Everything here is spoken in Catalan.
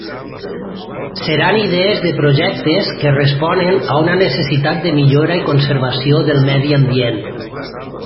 Seran idees de projectes que responen a una necessitat de millora i conservació del medi ambient.